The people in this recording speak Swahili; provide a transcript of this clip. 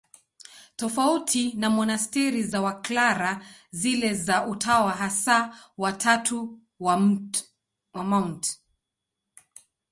Tofauti na monasteri za Waklara, zile za Utawa Hasa wa Tatu wa Mt.